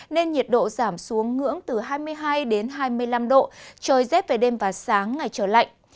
nên nhiệt độ giảm xuống ngưỡng từ hai mươi hai đến hai mươi năm độ trời rét về đêm và sáng ngày trời lạnh